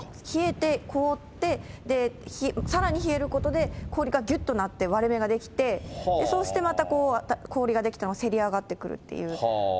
冷えて、凍って、さらに冷えることで、氷がぎゅっとなって割れ目が出来て、そうしてまた氷が出来てせり上がってくるという。